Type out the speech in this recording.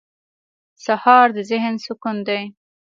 سهار د ذهن سکون دی.